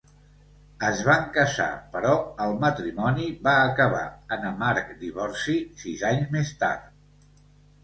Es van casar però el matrimoni va acabar en amarg divorci sis anys més tard.